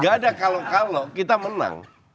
gak ada kalau kalau kita menang